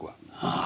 ああ。